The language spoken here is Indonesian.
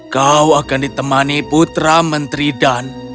kau akan ditemani putra menteri dan